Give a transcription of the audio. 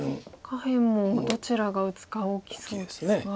下辺もどちらが打つか大きそうですが。